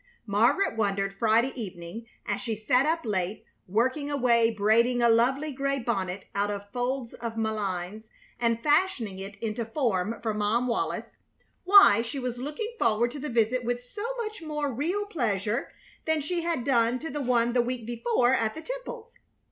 Margaret wondered Friday evening, as she sat up late, working away braiding a lovely gray bonnet out of folds of malines, and fashioning it into form for Mom Wallis, why she was looking forward to the visit with so much more real pleasure than she had done to the one the week before at the Temples'.